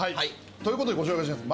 ということでご紹介します